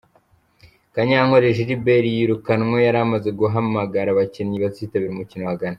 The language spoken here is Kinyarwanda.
Kanyankore Gilbert yirukanwe yari amaze guhamagara abakinnyi bazitabira umukino wa Ghana.